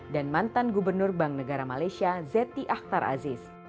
dan mantan gubernur bank negara malaysia zeti akhtarajan